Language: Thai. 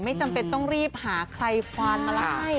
ไม่จำเป็นต้องรีบหาใครควรมาให้